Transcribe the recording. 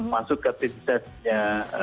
masuk ke team setnya